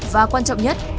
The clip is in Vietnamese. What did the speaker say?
và quan trọng nhất